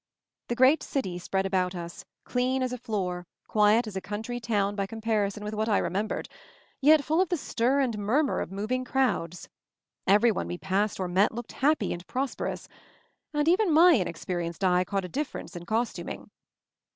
The great city spread about us, clean as a floor, quiet as a country town by compari son with what I remembered ; yet full of the stir and murmur of moving crowds. Every one we passed or met looked happy and prosperous, and even my inexperienced eye caught a difference in costuming.